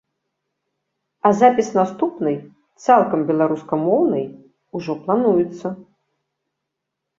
А запіс наступнай, цалкам беларускамоўнай, ужо плануецца.